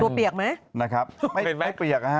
เปียกไหมนะครับไม่เปียกนะฮะ